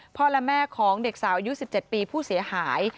แม่ของเด็กสาวอายุ๑๗ปีผู้เสียหาย